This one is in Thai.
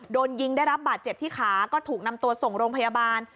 โดนยิงได้รับบาดเจ็บที่ขาก็ถูกนำตัวส่งโรงพยาบาล